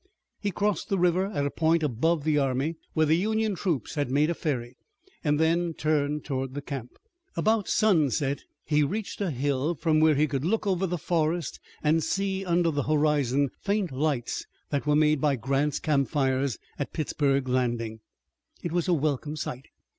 He crossed the river at a point above the army, where the Union troops had made a ferry, and then turned toward the camp. About sunset he reached a hill from which he could look over the forest and see under the horizon faint lights that were made by Grant's campfires at Pittsburg Landing. It was a welcome sight.